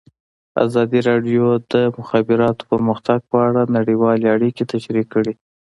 ازادي راډیو د د مخابراتو پرمختګ په اړه نړیوالې اړیکې تشریح کړي.